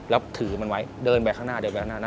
แล้วถือมันไว้เดินไปข้างหน้านั่นแหละ